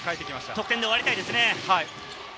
得点で終わりたいですね。